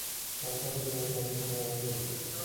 সংখ্যালঘু যেমন পাকিস্তানের আহমদিয়া।